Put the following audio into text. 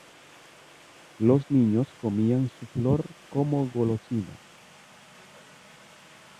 Los niños comían su flor como golosina.